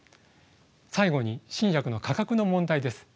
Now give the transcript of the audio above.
最後に新薬の価格の問題です。